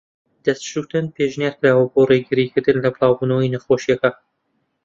دەست شووشتن پێشنیارکراوە بۆ ڕێگری کردن لە بڵاو بوونەوەی نەخۆشیەکە.